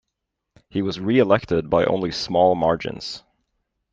He was re-elected by only small margins.